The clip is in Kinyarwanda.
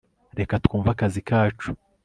reka twumve akazi kacu